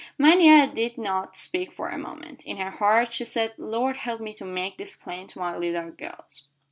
Mania did not speak for a moment. In her heart she said, "Lord help me to make this plain to my little girls."